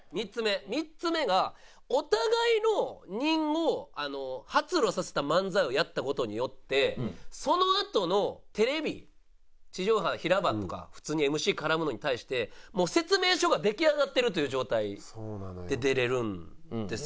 ３つ目がお互いの人を発露させた漫才をやった事によってそのあとのテレビ地上波平場とか普通にＭＣ絡むのに対してそうなのよ。で出れるんですよね。